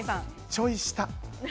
ちょい下。